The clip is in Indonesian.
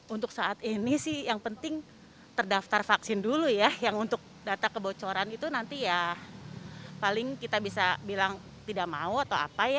untuk saat ini sih yang penting terdaftar vaksin dulu ya yang untuk data kebocoran itu nanti ya paling kita bisa bilang tidak mau atau apa ya